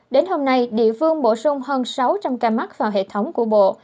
đến hôm nay địa phương bổ sung hơn sáu trăm linh ca mắc vào hệ thống của bộ